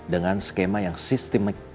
dengan skema yang sistematik